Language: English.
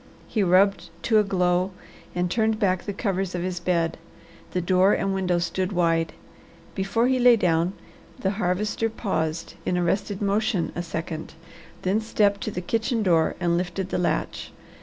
He rubbed to a glow and turned back the covers of his bed. The door and window stood wide. Before he lay down, the Harvester paused in arrested motion a second, then stepped to the kitchen door and lifted the latch.